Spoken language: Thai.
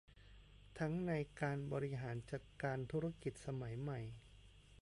ทั้งในการบริหารจัดการธุรกิจสมัยใหม่